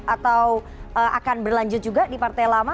atau akan berlanjut juga di partai lama